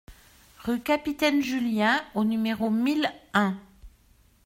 Rue Capitaine Julien au numéro mille un